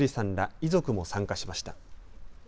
遺族も参加しました。